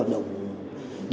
và đồng hành